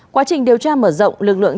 quá trình điều tra mở rộng